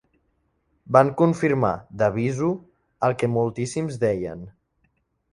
Van confirmar 'de visu' el que moltíssims deien.